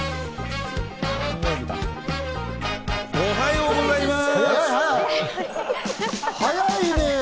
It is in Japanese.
おはようございます。